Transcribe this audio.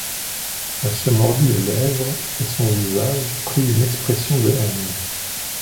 Elle se mordit les lèvres, et son visage prit une expression de haine.